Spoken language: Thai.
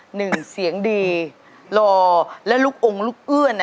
หนึ่งเสียงดีรอและลูกองค์ลูกเอื้อน